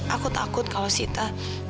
aku takut kalau sita